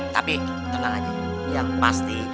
tapi tenang aja yang pasti